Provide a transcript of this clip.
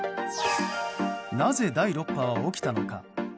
なぜ第６波は起きたのか。